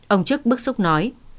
ông trước bức xúc nói